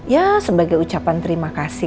ya sebagai ucapan terima kasih